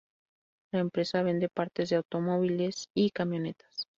La empresa vende partes de automóviles y camionetas.